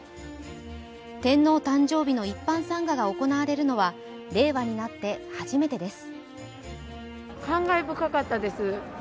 天皇誕生日の一般参賀が行われるのは令和になって初めてです。